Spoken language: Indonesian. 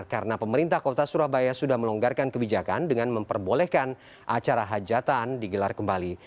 karena pemerintah kota surabaya sudah melonggarkan kebijakan dengan memperbolehkan acara hajatan digelar kembali